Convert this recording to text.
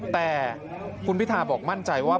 แต่คุณพิทาบอกมั่นใจว่า